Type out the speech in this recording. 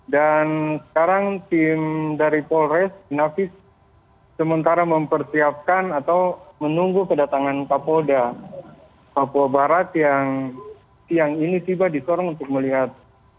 dan sekarang tim dari polres inavis sementara mempersiapkan atau menunggu kedatangan papolda papua barat yang siang ini tiba di sorong untuk melihat